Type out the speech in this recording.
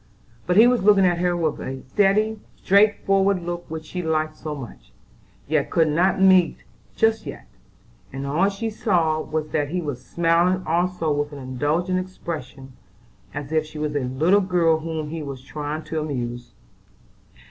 But he was looking at her with the steady, straight forward look which she liked so much, yet could not meet just yet; and all she saw was that he was smiling also with an indulgent expression as if she was a little girl whom he was trying to amuse.